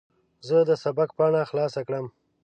زه د سبق پاڼه خلاصه کړم.